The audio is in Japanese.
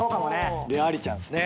ありちゃんっすね。